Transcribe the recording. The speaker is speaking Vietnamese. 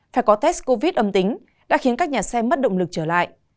phải có test covid âm tính đã khiến các nhà xe mất động lực trở lại